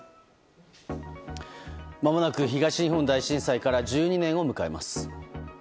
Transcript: まもなく東日本大震災から１２年を迎えます。